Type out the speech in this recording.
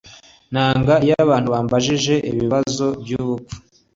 Nanga iyo abantu bambajije ibibazo byubupfu